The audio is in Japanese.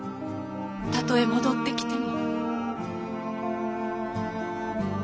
たとえ戻ってきても。